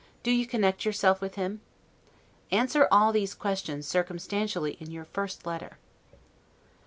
Do you connect yourself with him? Answer all these questions circumstantially in your first letter.